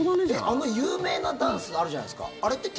あの有名なダンスあるじゃないですか。